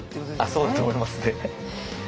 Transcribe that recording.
そうだと思いますね。